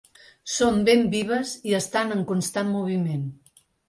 Són ben vives i estan en constant moviment.